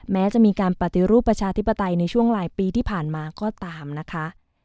แม้จะมีการปฏิรูปประชาธิปไตยในช่วงหลายปีที่ผ่านมาก็ตามนะคะ